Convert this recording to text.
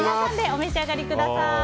お召し上がりください。